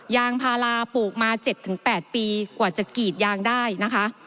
ยางพาราปลูกมา๗๘ปีกว่าจะกรีดยางได้นะคะ